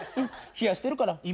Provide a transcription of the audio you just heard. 冷やしてるから。